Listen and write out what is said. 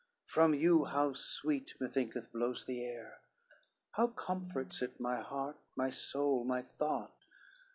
From you how sweet methinketh blows the air, How comforts it my heart, my soul, my thought?